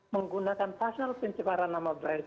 menggunakan pasal pencemaran nama brazil